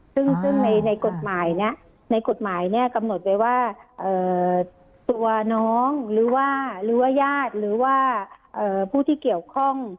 ซึ่งในกฎหมายในกฎหมายกำหนดไว้ว่าตัวน้องหรือว่าหรือว่าญาติหรือว่าผู้ที่เกี่ยวข้อง